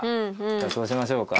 じゃあそうしましょうか。